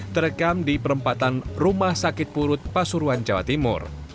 terekam di perempatan rumah sakit purut pasuruan jawa timur